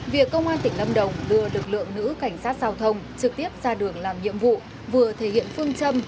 việc công an tỉnh lâm đồng đưa lực lượng nữ cảnh sát giao thông trực tiếp ra đường làm nhiệm vụ vừa thể hiện phương châm